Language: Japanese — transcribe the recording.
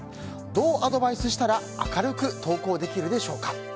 どうアドバイスしたら明るく登校できるでしょうか。